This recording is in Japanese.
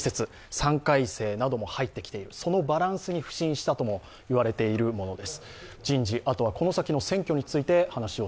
３回生なども入ってきている、そのバランスにも腐心したと言われています。